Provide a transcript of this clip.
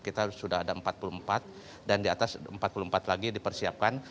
kita sudah ada empat puluh empat dan di atas empat puluh empat lagi dipersiapkan